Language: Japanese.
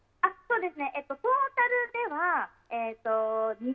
そうです。